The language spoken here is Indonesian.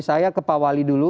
saya ke pak wali dulu